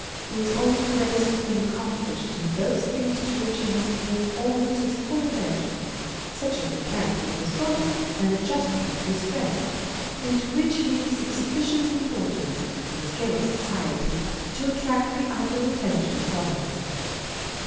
He is only graceful and accomplished in those things to which he lias paid almost his whole attention, such as the carriage of his body, and adjustment of his dress ; and to which he is of sufficient importance in the scale of society to attract the idle attention of others.